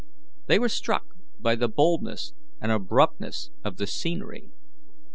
They were struck by the boldness and abruptness of the scenery.